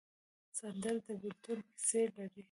سندره د بېلتون کیسې لري